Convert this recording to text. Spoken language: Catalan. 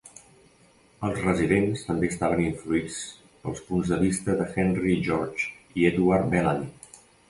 Els residents també estaven influïts pels punts de vista de Henry George i Edward Bellamy.